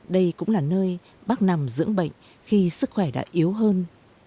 đây cũng là nơi bác nằm dưỡng bệnh khi sức khỏe đã yếu hơn